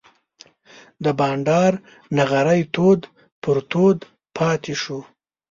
د بانډار نغری تود پر تود پاتې شو.